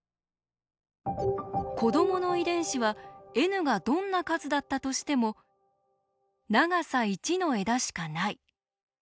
子どもの遺伝子はｎがどんな数だったとしても「長さ１の枝しかない」。